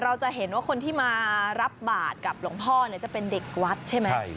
เราจะเห็นว่าคนที่มารับบาทกับหลวงพ่อเนี่ยจะเป็นเด็กวัดใช่ไหม